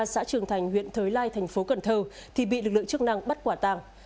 xã trường thành huyện thới lai thành phố cần thơ thì bị lực lượng chức năng bắt quả tàng